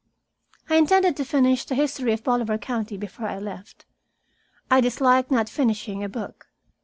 I intended to finish the history of Bolivar County before I left. I dislike not finishing a book.